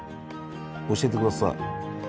教えてください。